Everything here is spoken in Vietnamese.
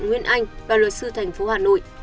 nguyễn anh và luật sư tp hà nội